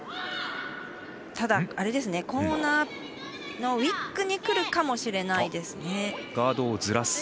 ただ、コーナーのウィックにくるかもしれないです。